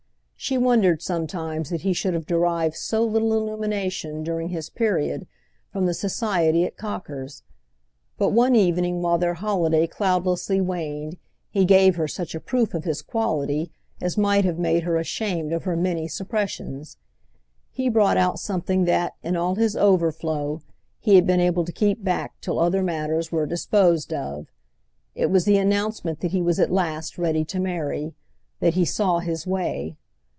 She wondered sometimes that he should have derived so little illumination, during his period, from the society at Cocker's. But one evening while their holiday cloudlessly waned he gave her such a proof of his quality as might have made her ashamed of her many suppressions. He brought out something that, in all his overflow, he had been able to keep back till other matters were disposed of. It was the announcement that he was at last ready to marry—that he saw his way.